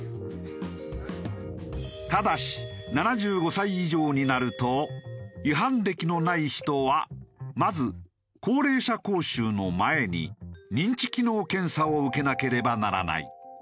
ただし７５歳以上になると違反歴のない人はまず高齢者講習の前に認知機能検査を受けなければならない。